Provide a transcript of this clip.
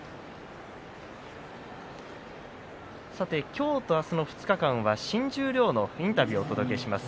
今日と明日の２日間は新十両のインタビューをお届けします。